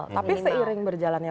minimal tapi seiring berjalannya